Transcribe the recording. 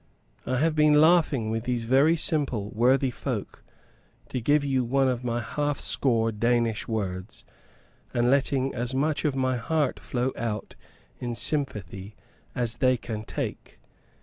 I have been laughing with these simple worthy folk to give you one of my half score Danish words and letting as much of my heart flow out in sympathy as they can take.